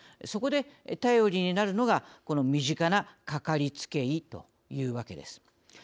そこで頼りになるのがこの身近な、かかりつけ医というわけです。